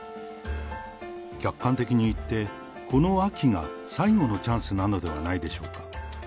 客観的にいって、この秋が最後のチャンスなのではないでしょうか。